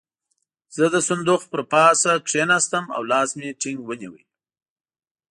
زه د صندوق پر پاسه کېناستم او لاس مې ټينګ ونيو.